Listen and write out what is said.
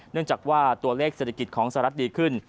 เนื่องจากว่าตัวเลขเศรษฐกิจของสหรัฐดีขึ้น